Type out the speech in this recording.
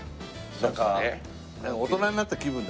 なんか大人になった気分だよね。